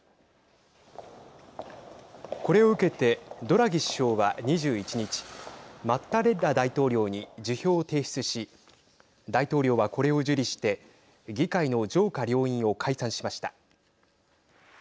これを受けてドラギ首相は２１日マッタレッラ大統領に辞表を提出し大統領は、これを受理して議会の上下両院を解散しました。